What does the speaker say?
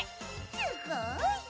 すごい！